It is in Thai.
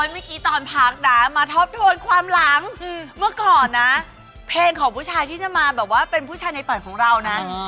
เมื่อกี้ตอนพักนะมาทบทวนความหลังเมื่อก่อนนะเพลงของผู้ชายที่จะมาแบบว่าเป็นผู้ชายในฝันของเรานะ